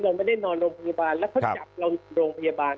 เราไม่ได้นอนโรงพยาบาลแล้วเขาจับเราโรงพยาบาล